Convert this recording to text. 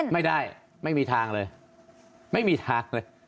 ไม่ได้ไม่มีทางเลยไม่มีทางเลย